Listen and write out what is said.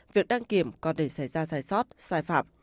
việc đăng kiểm còn để xảy ra sai sót sai phạm